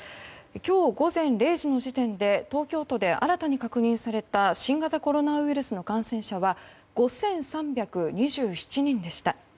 今日午前０時の時点で東京都で新たに確認された新型コロナウイルスの感染者は５３２７人でした。